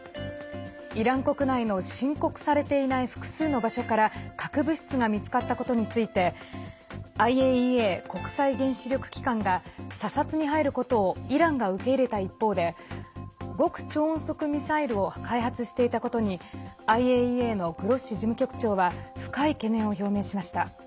イラン国内の申告されていない複数の場所から核物質が見つかったことについてＩＡＥＡ＝国際原子力機関が査察に入ることをイランが受け入れた一方で極超音速ミサイルを開発していたことにＩＡＥＡのグロッシ事務局長は深い懸念を表明しました。